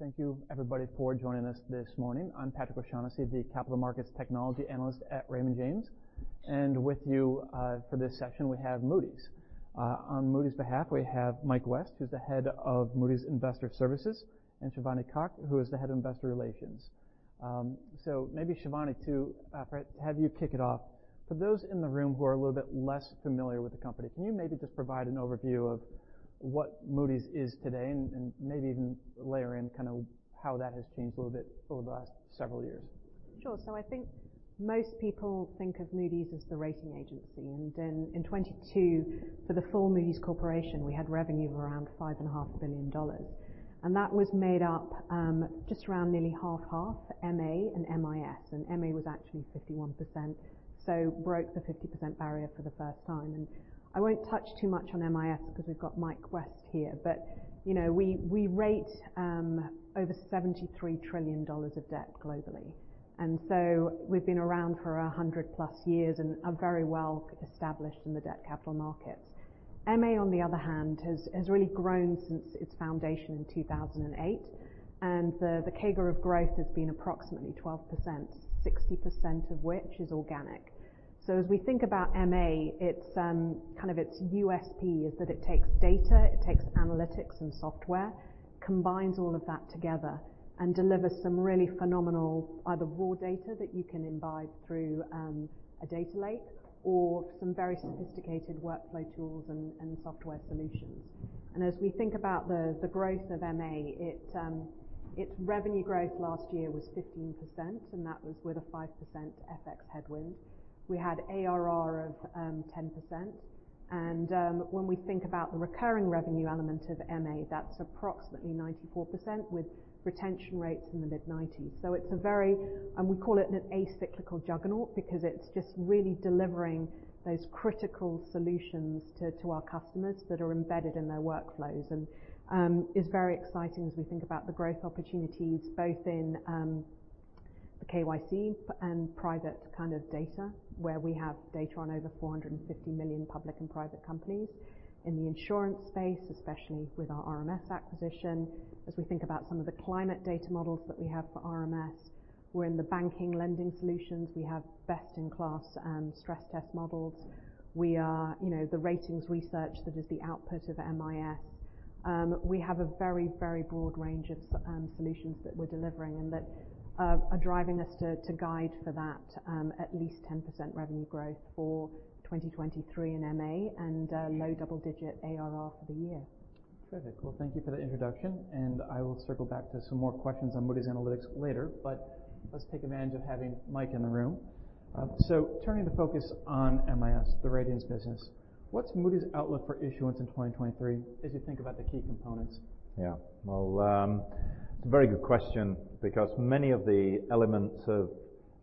Thank you everybody for joining us this morning. I'm Patrick O'Shaughnessy, the capital markets technology analyst at Raymond James. With you, for this session, we have Moody's. On Moody's behalf, we have Michael West, who's the head of Moody's Investors Service, and Shivani Kak, who is the head of Investor Relations. Maybe Shivani to have you kick it off. For those in the room who are a little bit less familiar with the company, can you maybe just provide an overview of what Moody's is today and maybe even layer in kinda how that has changed a little bit over the last several years? Sure. I think most people think of Moody's as the rating agency. In 2022, for the full Moody's Corporation, we had revenue of around $5.5 billion. That was made up, just around nearly 50/50 MA and MIS. MA was actually 51%, so broke the 50% barrier for the first time. I won't touch too much on MIS because we've got Michael West here. You know, we rate over $73 trillion of debt globally. We've been around for 100+ years and are very well established in the debt capital markets. MA, on the other hand, has really grown since its foundation in 2008. The CAGR of growth has been approximately 12%, 60% of which is organic. As we think about MA, its kind of its USP is that it takes data, it takes analytics and software, combines all of that together and delivers some really phenomenal, either raw data that you can imbibe through a data lake or some very sophisticated workflow tools and software solutions. As we think about the growth of MA, its revenue growth last year was 15%, and that was with a 5% FX headwind. We had ARR of 10%. When we think about the recurring revenue element of MA, that's approximately 94% with retention rates in the mid-nineties. It's a very acyclical juggernaut because it's just really delivering those critical solutions to our customers that are embedded in their workflows. It's very exciting as we think about the growth opportunities both in the KYC and private kind of data where we have data on over 450 million public and private companies. In the insurance space, especially with our RMS acquisition, as we think about some of the climate data models that we have for RMS. We're in the banking lending solutions. We have best-in-class stress test models. We are, you know, the ratings research that is the output of MIS. We have a very, very broad range of solutions that we're delivering and that are driving us to guide for that at least 10% revenue growth for 2023 in MA and low double digit ARR for the year. Well, thank you for the introduction. I will circle back to some more questions on Moody's Analytics later. Let's take advantage of having Michael in the room. Turning to focus on MIS, the ratings business, what's Moody's outlook for issuance in 2023 as you think about the key components? Well, it's a very good question because many of the elements of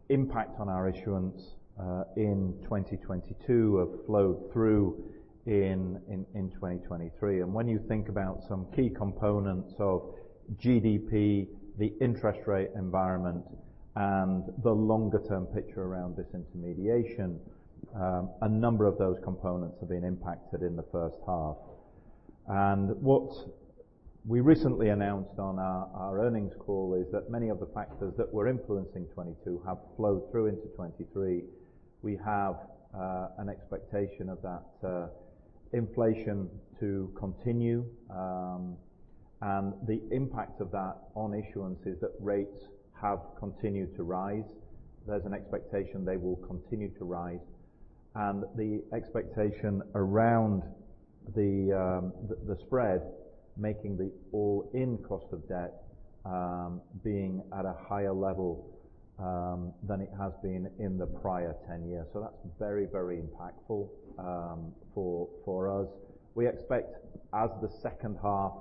impact on our issuance in 2022 have flowed through in 2023. When you think about some key components of GDP, the interest rate environment and the longer-term picture around disintermediation, a number of those components have been impacted in the first half. What we recently announced on our earnings call is that many of the factors that were influencing 2022 have flowed through into 2023. We have an expectation of that inflation to continue. The impact of that on issuance is that rates have continued to rise. There's an expectation they will continue to rise. The expectation around the spread making the all-in cost of debt being at a higher level than it has been in the prior 10 years. That's very, very impactful for us. We expect as the second half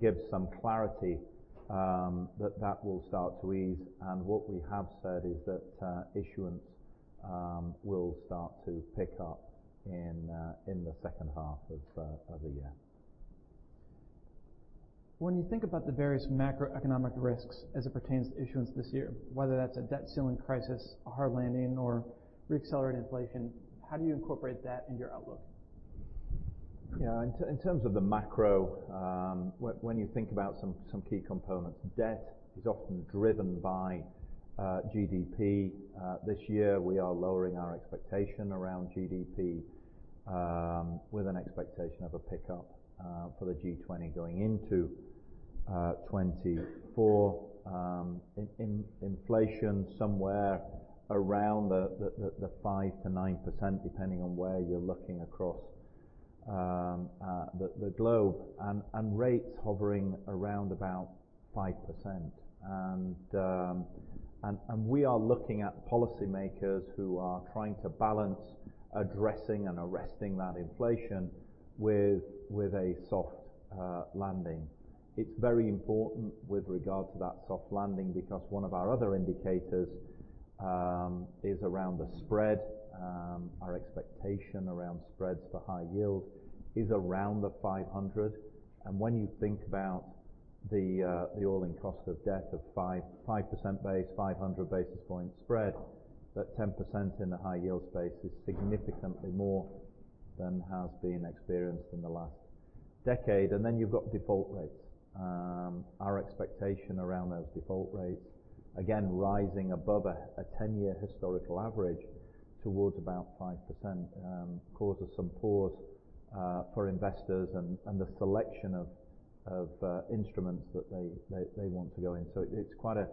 gives some clarity, that will start to ease. What we have said is that issuance will start to pick up in the second half of the year. When you think about the various macroeconomic risks as it pertains to issuance this year, whether that's a debt ceiling crisis, a hard landing, or reaccelerating inflation, how do you incorporate that into your outlook? Yeah. In terms of the macro, when you think about key components, debt is often driven by GDP. This year, we are lowering our expectation around GDP with an expectation of a pickup for the G20 going into 2024. Inflation somewhere around the 5%-9%, depending on where you're looking across the globe, and rates hovering around about 5%. We are looking at policymakers who are trying to balance addressing and arresting that inflation with a soft landing. It's very important with regard to that soft landing because one of our other indicators is around the spread. Our expectation around spreads for high yield is around the 500. When you think about the all-in cost of debt of 5% base, 500 basis point spread, that 10% in the high yield space is significantly more than has been experienced in the last decade. You've got default rates. Our expectation around those default rates, again, rising above a 10-year historical average towards about 5%, causes some pause for investors and the selection of instruments that they want to go in. It's quite a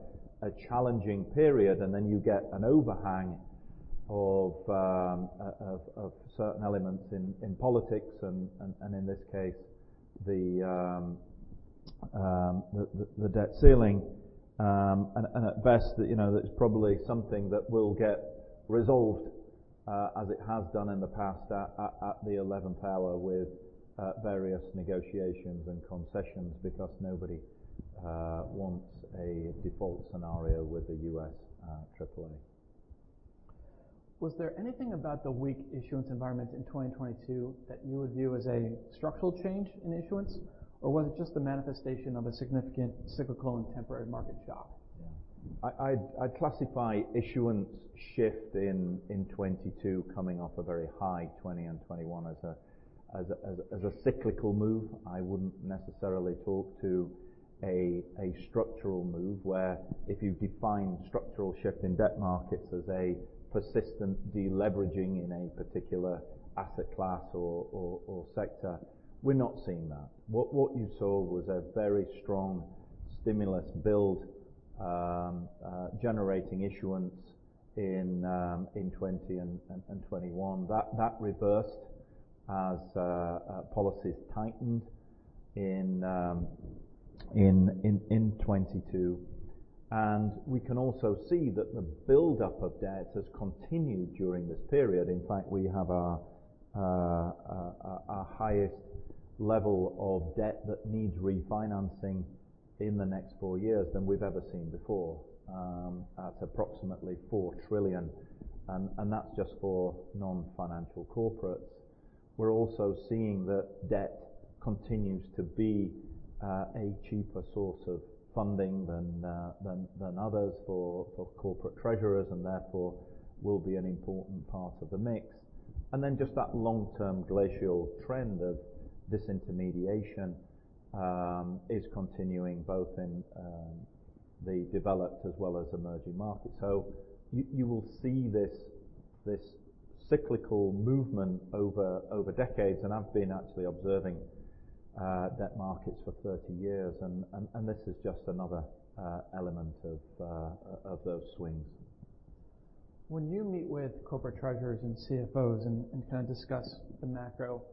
challenging period. You get an overhang of certain elements in politics and in this case the debt ceiling. At best, you know, that's probably something that will get resolved, as it has done in the past at the eleventh hour with various negotiations and concessions because nobody wants a default scenario with the U.S., AAA. Was there anything about the weak issuance environment in 2022 that you would view as a structural change in issuance, or was it just the manifestation of a significant cyclical and temporary market shock? Yeah. I'd classify issuance shift in 2022 coming off a very high 2020 and 2021 as a cyclical move. I wouldn't necessarily talk to a structural move, where if you define structural shift in debt markets as a persistent deleveraging in a particular asset class or sector, we're not seeing that. What you saw was a very strong stimulus build, generating issuance in 2020 and 2021. That reversed as policies tightened in 2022. We can also see that the buildup of debt has continued during this period. In fact, we have our highest level of debt that needs refinancing in the next four years than we've ever seen before. That's approximately $4 trillion, and that's just for non-financial corporates. We're also seeing that debt continues to be a cheaper source of funding than others for corporate treasurers and therefore will be an important part of the mix. Just that long-term glacial trend of disintermediation is continuing both in the developed as well as emerging markets. You will see this cyclical movement over decades, and I've been actually observing debt markets for 30 years and this is just another element of those swings. When you meet with corporate treasurers and CFOs and kind of discuss the macro,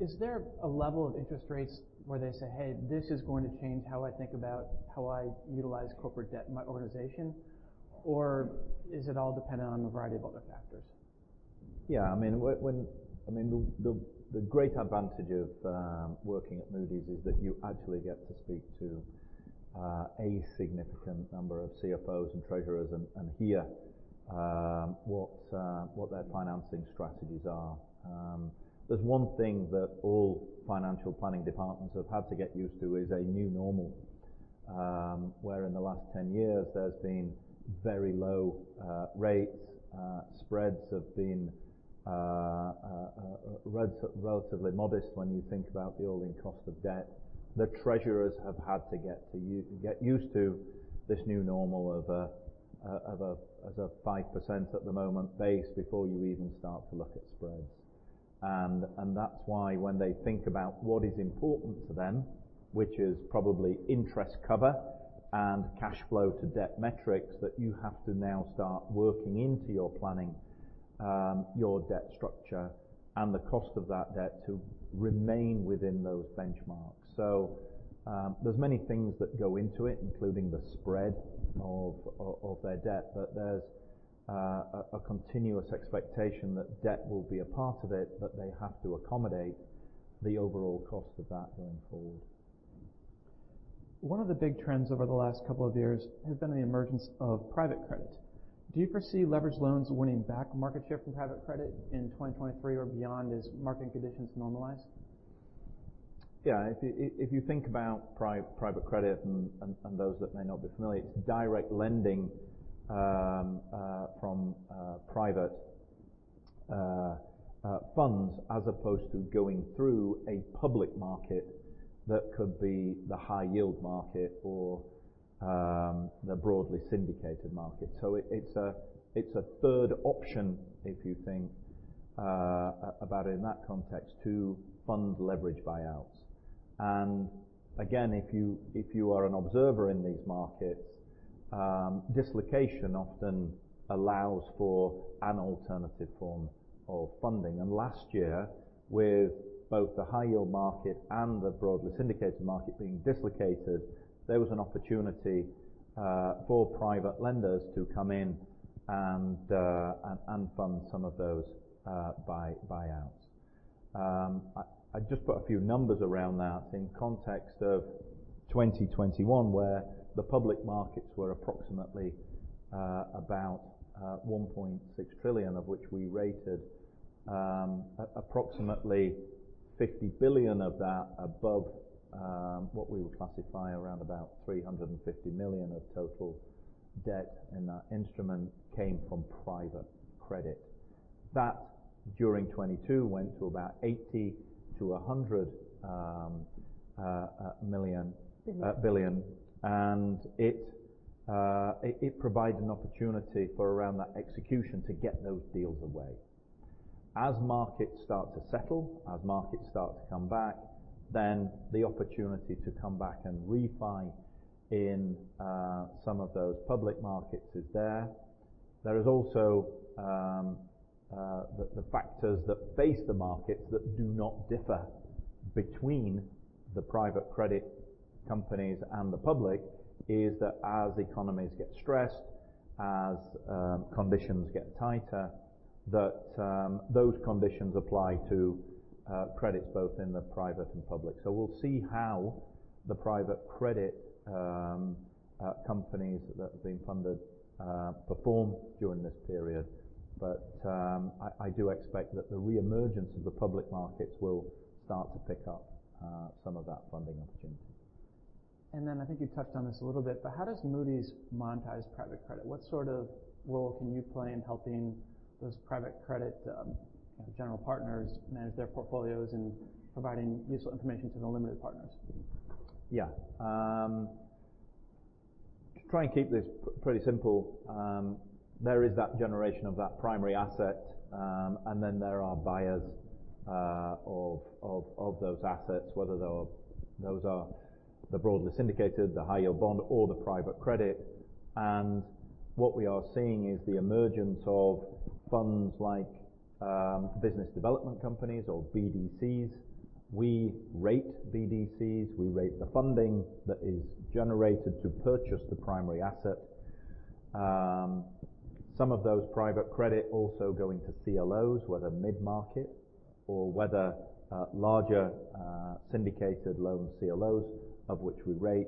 is there a level of interest rates where they say, "Hey, this is going to change how I think about how I utilize corporate debt in my organization," or is it all dependent on a variety of other factors? I mean, the great advantage of working at Moody's is that you actually get to speak to a significant number of CFOs and treasurers and hear what their financing strategies are. There's one thing that all financial planning departments have had to get used to is a new normal, where in the last 10 years there's been very low rates. Spreads have been relatively modest when you think about the all-in cost of debt. The treasurers have had to get used to this new normal as a 5% at the moment base before you even start to look at spreads. That's why when they think about what is important to them, which is probably interest cover and cash flow to debt metrics, that you have to now start working into your planning, your debt structure and the cost of that debt to remain within those benchmarks. There's many things that go into it, including the spread of their debt. There's a continuous expectation that debt will be a part of it, but they have to accommodate the overall cost of that going forward. One of the big trends over the last couple of years has been the emergence of private credit. Do you foresee leveraged loans winning back market share from private credit in 2023 or beyond as marketing conditions normalize? Yeah. If you think about private credit and those that may not be familiar, it's direct lending from private funds as opposed to going through a public market that could be the high yield market or the broadly syndicated market. It's a third option, if you think about it in that context, to fund leverage buyouts. Again, if you are an observer in these markets, dislocation often allows for an alternative form of funding. Last year, with both the high yield market and the broadly syndicated market being dislocated, there was an opportunity for private lenders to come in and fund some of those buyouts. I just put a few numbers around that in context of 2021, where the public markets were approximately $1.6 trillion, of which we rated approximately $50 billion of that above, what we would classify around $350 million of total debt in that instrument came from private credit. That during 2022 went to about $80 billion-$100 billion. It provides an opportunity for around that execution to get those deals away. As markets start to settle, as markets start to come back, then the opportunity to come back and refi in some of those public markets is there. There is also the factors that face the markets that do not differ between the private credit companies and the public is that as economies get stressed, as conditions get tighter, that those conditions apply to credits both in the private and public. We'll see how the private credit companies that have been funded perform during this period. I do expect that the reemergence of the public markets will start to pick up some of that funding opportunity. I think you touched on this a little bit, but how does Moody's monetize private credit? What sort of role can you play in helping those private credit, kind of general partners manage their portfolios and providing useful information to the limited partners? Yeah. To try and keep this pretty simple, there is that generation of that primary asset, and then there are buyers of those assets, whether those are the broadly syndicated, the high yield bond or the private credit. What we are seeing is the emergence of funds like business development companies or BDCs. We rate BDCs. We rate the funding that is generated to purchase the primary asset. Some of those private credit also going to CLOs, whether mid-market or whether larger syndicated loan CLOs of which we rate.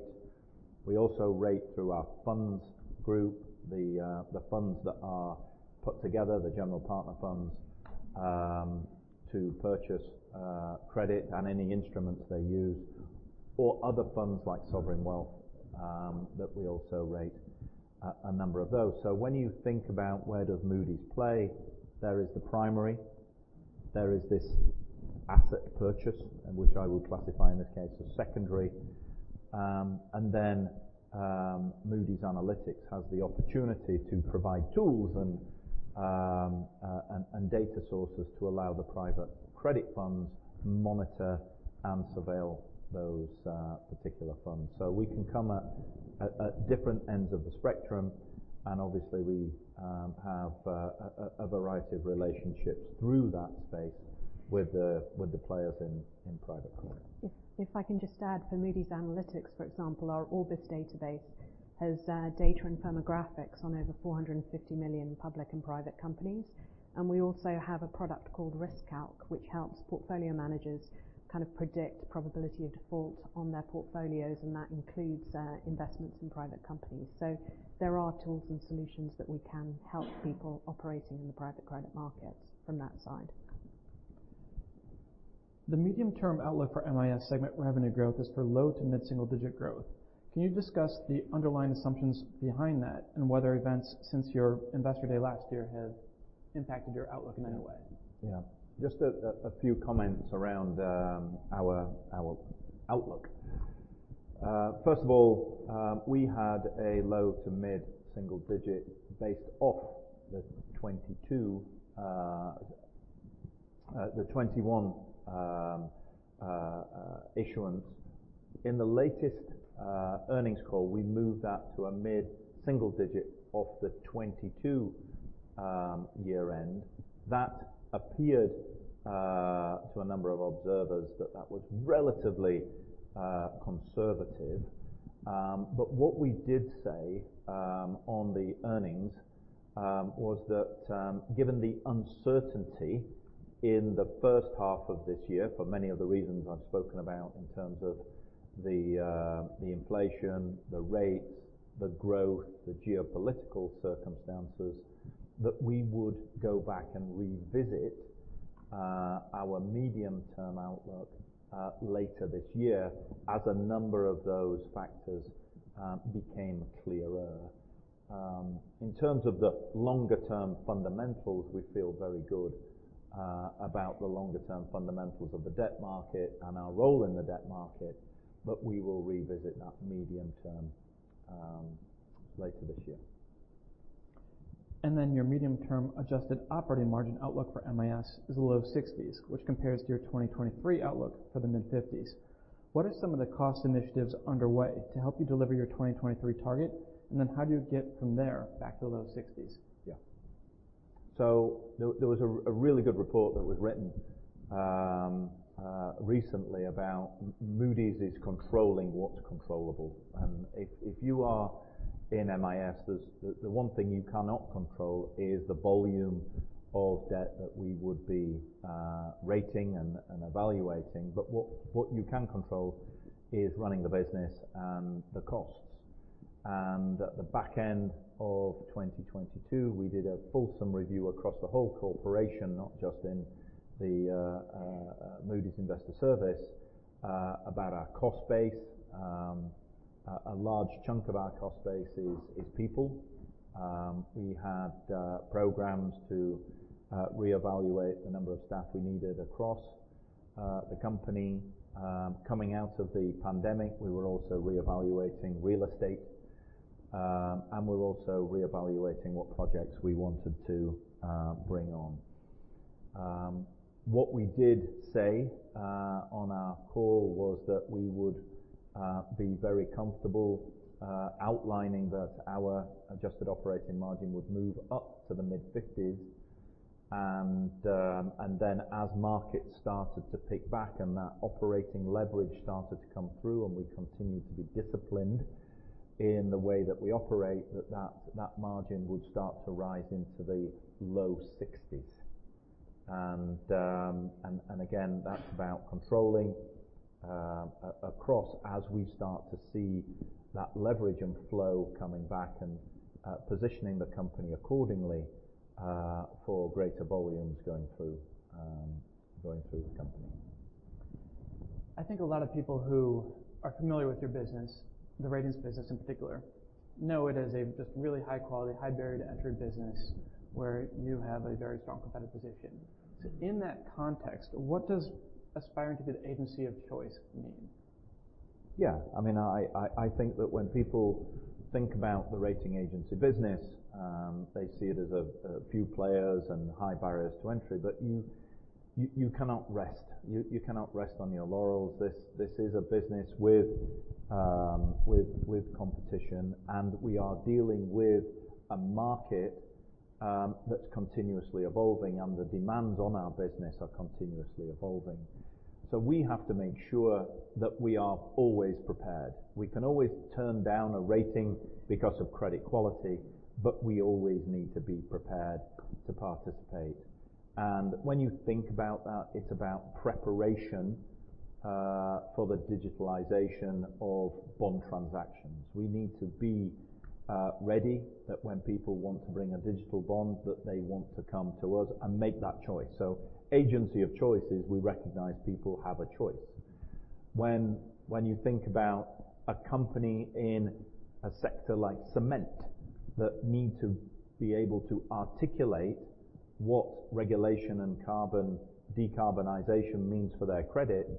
We also rate through our funds group, the funds that are put together, the general partner funds, to purchase credit and any instruments they use, or other funds like sovereign wealth, that we also rate a number of those. When you think about where does Moody's play, there is the primary. There is this asset purchase, and which I would classify in this case as secondary. Moody's Analytics has the opportunity to provide tools and data sources to allow the private credit funds monitor and surveil those particular funds. We can come at different ends of the spectrum, and obviously we have a variety of relationships through that space with the players in private credit. If I can just add for Moody's Analytics, for example, our Orbis database has data and firmographics on over 450 million public and private companies. We also have a product called RiskCalc, which helps portfolio managers kind of predict probability of default on their portfolios, and that includes investments in private companies. There are tools and solutions that we can help people operating in the private credit markets from that side. The medium-term outlook for MIS segment revenue growth is for low to mid-single digit growth. Can you discuss the underlying assumptions behind that and whether events since your Investor Day last year have impacted your outlook in any way? Yeah. Just a few comments around our outlook. First of all, we had a low to mid-single digit based off the 2022, the 2021 issuance. In the latest earnings call, we moved that to a mid-single digit off the 2022 year-end. That appeared to a number of observers that was relatively conservative. What we did say on the earnings was that given the uncertainty in the first half of this year, for many of the reasons I've spoken about in terms of the inflation, the rates, the growth, the geopolitical circumstances, that we would go back and revisit our medium-term outlook later this year as a number of those factors became clearer. In terms of the longer term fundamentals, we feel very good about the longer term fundamentals of the debt market and our role in the debt market, but we will revisit that medium-term later this year. Your medium-term adjusted operating margin outlook for MIS is low 60s%, which compares to your 2023 outlook for the mid-50s%. What are some of the cost initiatives underway to help you deliver your 2023 target? How do you get from there back to the low 60s%? There was a really good report that was written recently about Moody's is controlling what's controllable. If you are in MIS, the one thing you cannot control is the volume of debt that we would be rating and evaluating. What you can control is running the business and the costs. At the back end of 2022, we did a fulsome review across the whole corporation, not just in the Moody's Investors Service, about our cost base. A large chunk of our cost base is people. We had programs to reevaluate the number of staff we needed across the company. Coming out of the pandemic, we were also reevaluating real estate, and we're also reevaluating what projects we wanted to bring on. What we did say on our call was that we would be very comfortable outlining that our adjusted operating margin would move up to the mid-50s% and then as markets started to pick back and that operating leverage started to come through and we continued to be disciplined in the way that we operate, that margin would start to rise into the low 60s%. Again, that's about controlling across as we start to see that leverage and flow coming back and positioning the company accordingly for greater volumes going through the company. I think a lot of people who are familiar with your business, the ratings business in particular, know it as a just really high-quality, high barrier to entry business where you have a very strong competitive position. In that context, what does aspiring to be the agency of choice mean? Yeah. I mean, I think that when people think about the rating agency business, they see it as a few players and high barriers to entry. You cannot rest. You cannot rest on your laurels. This is a business with competition, and we are dealing with a market that's continuously evolving, and the demands on our business are continuously evolving. We have to make sure that we are always prepared. We can always turn down a rating because of credit quality, but we always need to be prepared to participate. When you think about that, it's about preparation for the digitalization of bond transactions. We need to be ready that when people want to bring a digital bond, that they want to come to us and make that choice. Agency of choice is we recognize people have a choice. When you think about a company in a sector like cement that need to be able to articulate what regulation and carbon decarbonization means for their credit,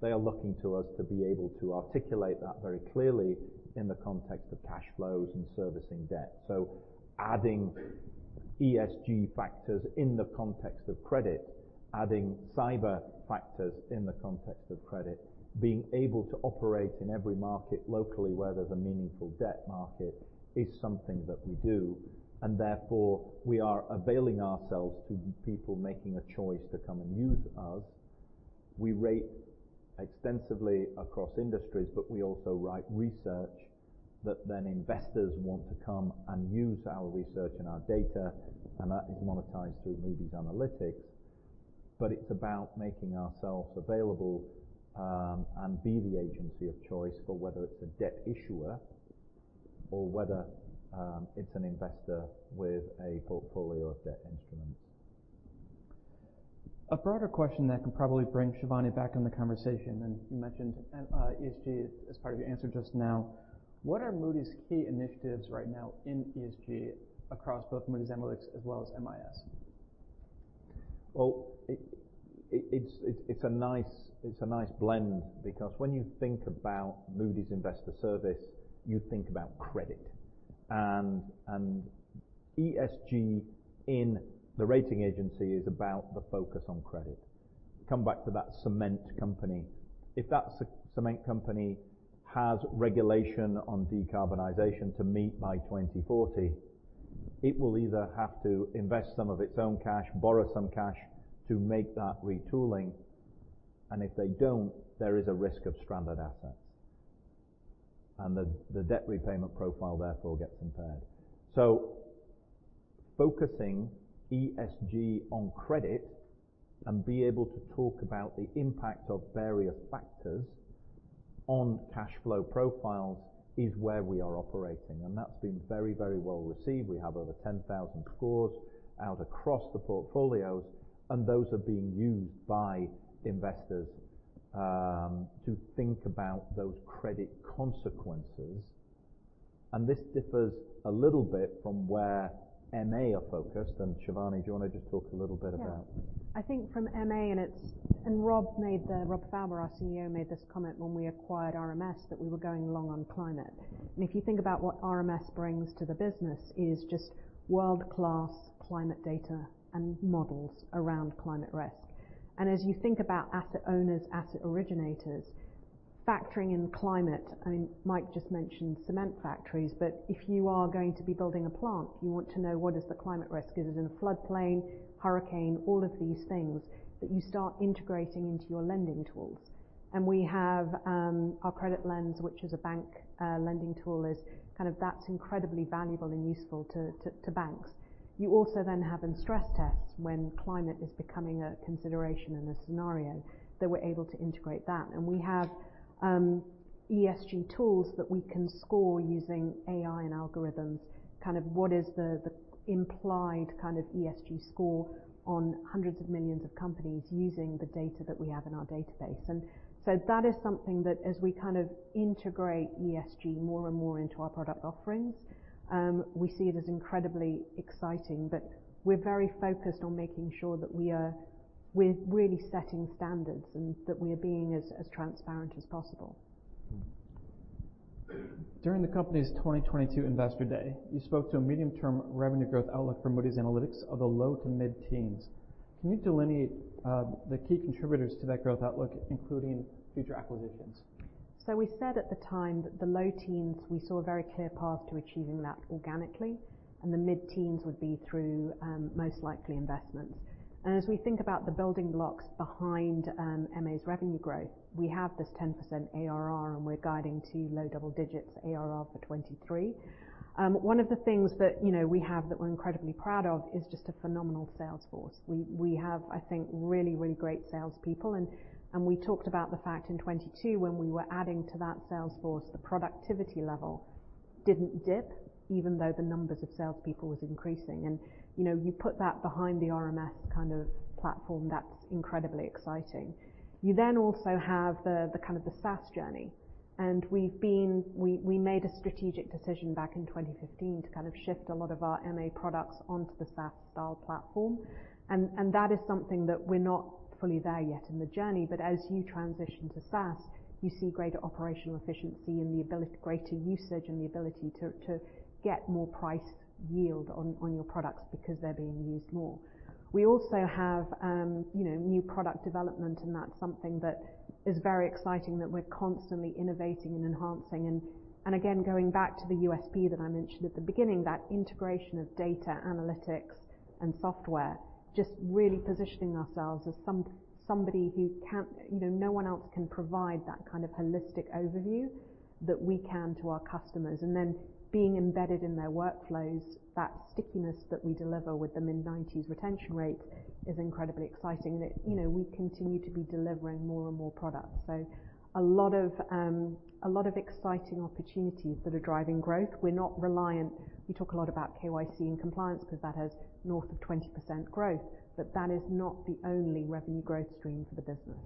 they are looking to us to be able to articulate that very clearly in the context of cash flows and servicing debt. Adding ESG factors in the context of credit, adding cyber factors in the context of credit, being able to operate in every market locally where there's a meaningful debt market is something that we do. Therefore, we are availing ourselves to people making a choice to come and use us. We rate extensively across industries, but we also write research that then investors want to come and use our research and our data, and that is monetized through Moody's Analytics. It's about making ourselves available, and be the agency of choice for whether it's a debt issuer or whether, it's an investor with a portfolio of debt instruments. A broader question that can probably bring Shivani back in the conversation. You mentioned ESG as part of your answer just now. What are Moody's key initiatives right now in ESG across both Moody's Analytics as well as MIS? Well, it's a nice blend because when you think about Moody's Investors Service, you think about credit. ESG in the rating agency is about the focus on credit. Come back to that cement company. If that cement company has regulation on decarbonization to meet by 2040, it will either have to invest some of its own cash, borrow some cash to make that retooling, and if they don't, there is a risk of stranded assets. The debt repayment profile therefore gets impaired. Focusing ESG on credit and be able to talk about the impact of various factors on cash flow profiles is where we are operating. That's been very, very well received. We have over 10,000 scores out across the portfolios, and those are being used by investors to think about those credit consequences. This differs a little bit from where MA are focused. Shivani, do you wanna just talk a little bit about. Yeah. I think from MA, Rob Fauber, our CEO, made this comment when we acquired RMS, that we were going long on climate. If you think about what RMS brings to the business is just world-class climate data and models around climate risk. As you think about asset owners, asset originators, factoring in climate, I mean, Mike just mentioned cement factories, but if you are going to be building a plant, you want to know what is the climate risk. Is it in a floodplain, hurricane, all of these things that you start integrating into your lending tools. We have our CreditLens, which is a bank lending tool, is kind of that's incredibly valuable and useful to banks. You also have in stress tests when climate is becoming a consideration and a scenario that we're able to integrate that. We have ESG tools that we can score using AI and algorithms, kind of what is the implied kind of ESG score on hundreds of millions of companies using the data that we have in our database. That is something that as we kind of integrate ESG more and more into our product offerings, we see it as incredibly exciting. We're very focused on making sure that we're really setting standards and that we are being as transparent as possible. During the company's 2022 Investor Day, you spoke to a medium-term revenue growth outlook for Moody's Analytics of the low to mid-teens. Can you delineate the key contributors to that growth outlook, including future acquisitions? We said at the time that the low teens, we saw a very clear path to achieving that organically, and the mid-teens would be through most likely investments. As we think about the building blocks behind MA's revenue growth, we have this 10% ARR, and we're guiding to low double digits ARR for 2023. One of the things that, you know, we have that we're incredibly proud of is just a phenomenal sales force. We have, I think, really great sales people. We talked about the fact in 2022 when we were adding to that sales force, the productivity level didn't dip even though the numbers of sales people was increasing. You know, you put that behind the RMS kind of platform, that's incredibly exciting. You then also have the kind of the SaaS journey. We made a strategic decision back in 2015 to kind of shift a lot of our MA products onto the SaaS style platform. That is something that we're not fully there yet in the journey. As you transition to SaaS, you see greater operational efficiency and greater usage and the ability to get more price yield on your products because they're being used more. We also have, you know, new product development, and that's something that is very exciting that we're constantly innovating and enhancing. Again, going back to the USP that I mentioned at the beginning, that integration of data analytics and software, just really positioning ourselves as somebody who can, you know, no one else can provide that kind of holistic overview that we can to our customers. Being embedded in their workflows, that stickiness that we deliver with the mid-90s retention rate is incredibly exciting that, you know, we continue to be delivering more and more products. A lot of, a lot of exciting opportunities that are driving growth. We're not reliant. We talk a lot about KYC and compliance because that has north of 20% growth, but that is not the only revenue growth stream for the business.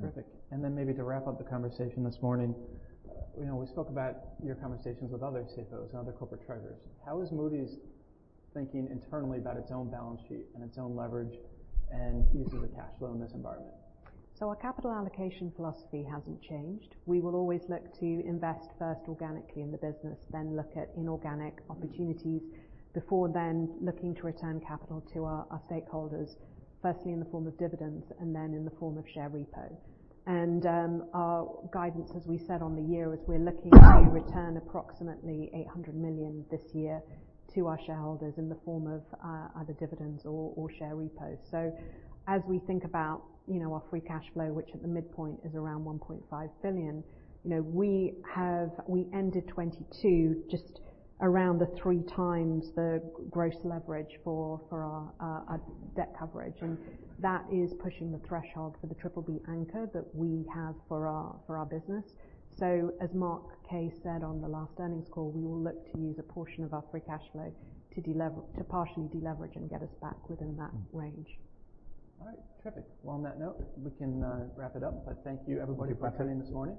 Terrific. Maybe to wrap up the conversation this morning, you know, we spoke about your conversations with other CFOs and other corporate treasurers. How is Moody's thinking internally about its own balance sheet and its own leverage and use of the cash flow in this environment? Our capital allocation philosophy hasn't changed. We will always look to invest first organically in the business, then look at inorganic opportunities before then looking to return capital to our stakeholders, firstly in the form of dividends and then in the form of share repo. Our guidance, as we said on the year, is we're looking to return approximately $800 million this year to our shareholders in the form of either dividends or share repos. As we think about, you know, our free cash flow, which at the midpoint is around $1.5 billion, you know, we ended 2022 just around the 3x the gross leverage for our debt coverage. That is pushing the threshold for the BBB anchor that we have for our business. As Mark Kaye said on the last earnings call, we will look to use a portion of our free cash flow to partially deleverage and get us back within that range. All right. Terrific. Well, on that note, we can wrap it up. Thank you, everybody, for attending this morning.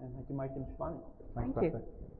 Thank you, Michael and Shivani. Thank you.